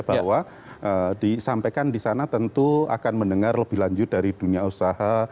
bahwa disampaikan di sana tentu akan mendengar lebih lanjut dari dunia usaha